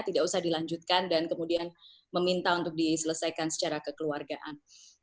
tidak usah dilanjutkan dan kemudian meminta untuk diselesaikan secara kekeluargaan